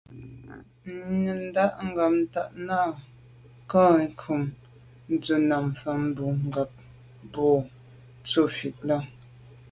Njag ghammatat kà nkum ndùs’a nèn mfan bon ngab bo tswe fite là.